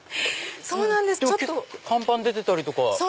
でも看板出てたりとか。